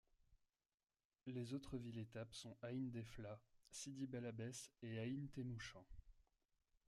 Les autres villes-étape sont Aïn Defla, Sidi Bel Abbès, et Aïn Témouchent.